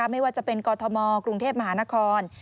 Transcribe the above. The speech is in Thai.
ไม่ว่าจะเป็นกอทมกรุงเทพมหานคร